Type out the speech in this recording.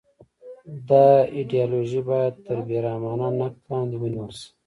دا ایدیالوژي باید تر بې رحمانه نقد لاندې ونیول شي